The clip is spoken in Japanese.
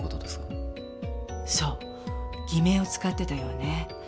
そう偽名を使ってたようね。